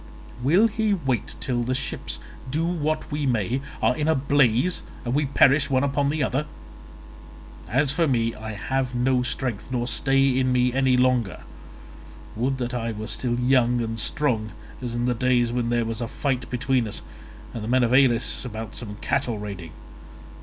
Will he wait till the ships, do what we may, are in a blaze, and we perish one upon the other? As for me, I have no strength nor stay in me any longer; would that I were still young and strong as in the days when there was a fight between us and the men of Elis about some cattle raiding.